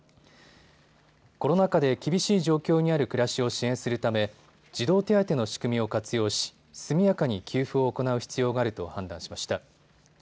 コロナ禍で厳しい状況にある暮らしを支援するため児童手当の仕組みを活用し速やかに給付を行う必要があると判断しました。